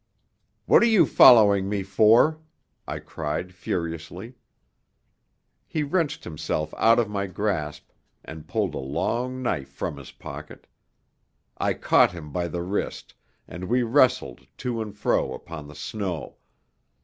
"What are you following me for?" I cried furiously. He wrenched himself out of my grasp and pulled a long knife from his pocket. I caught him by the wrist, and we wrestled to and fro upon the snow.